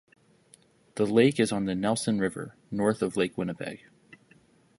The lake is on the Nelson River north of Lake Winnipeg.